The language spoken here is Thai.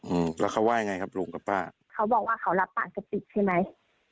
อืมแล้วเขาว่ายังไงครับลุงกับป้าเขาบอกว่าเขารับปากจะปิดใช่ไหม